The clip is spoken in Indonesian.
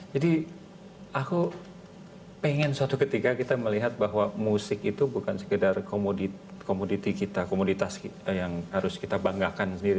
aku pengen suatu ketika kita melihat bahwa musik itu bukan sekedar komoditi kita komoditas yang harus kita banggakan sendiri